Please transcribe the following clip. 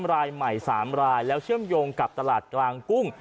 รายใหม่๓รายแล้วเชื่อมโยงกับตลาดกลางกุ้ง